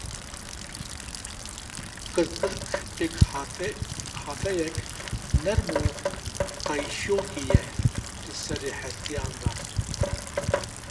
Kirkirk pêkhateyek nerm û qayişokî ye li serê hestiyan de.